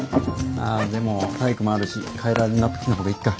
ああでも体育もあるし替えられるナプキンの方がいいか。